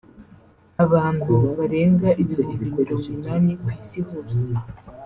Abantu barenga ibihumbi mirongo inani ku isi hose